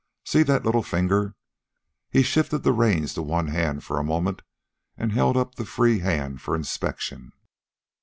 See that little finger?" He shifted the reins to one hand for a moment and held up the free hand for inspection.